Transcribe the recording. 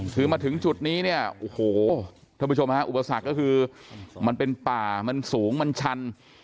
คือมาถึงจุดนี้เนี่ยโอ้โหท่านผู้ชมฮะอุปสรรคก็คือมันเป็นป่ามันสูงมันชัน